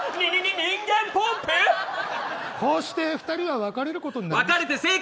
こうして２人は別れることになった。